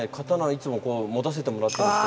いつも持たせてもらってるんですけど。